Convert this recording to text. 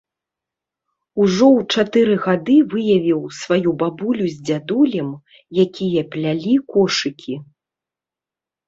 Ужо ў чатыры гады выявіў сваю бабулю з дзядулем, якія плялі кошыкі.